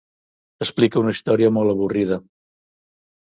Explica una història molt avorrida.